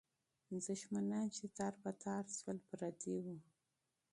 دښمنان چې تار په تار سول، پردي وو.